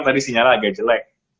tadi sinyal agak jelek